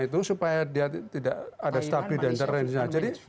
kursusnya maksimum sampai tujuh belas